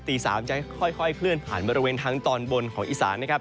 ตี๓จะค่อยเคลื่อนผ่านบริเวณทางตอนบนของอีสานนะครับ